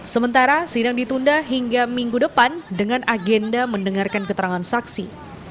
sementara sidang ditunda hingga minggu depan dengan agenda mendengarkan keterangan saksi